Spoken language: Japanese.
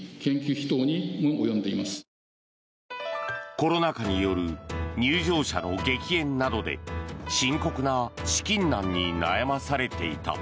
コロナ禍による入場者の激減などで深刻な資金難に悩まされていた。